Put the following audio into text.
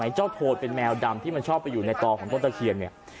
เจ้าโทนเป็นแมวดำที่มันชอบไปอยู่ในตอของต้นตะเคียนเนี่ย